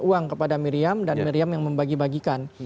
uang kepada miriam dan miriam yang membagi bagikan